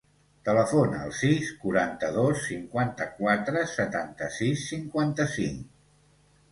Telefona al sis, quaranta-dos, cinquanta-quatre, setanta-sis, cinquanta-cinc.